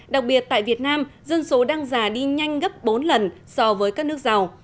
đặc biệt tại việt nam dân số đang già đi nhanh gấp bốn lần so với các nước giàu